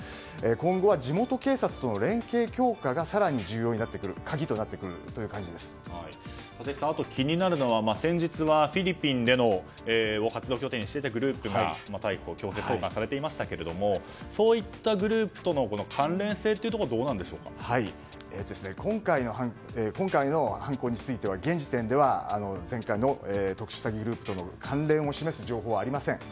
今後は地元警察との連携強化が更に立石さん、あと気になるのは先日はフィリピンを活動拠点にしていたグループが逮捕強制送還されていましたがそういったグループとの関連性っていうところは今回の犯行については現時点では前回の特殊詐欺グループとの関連を示す情報はありません。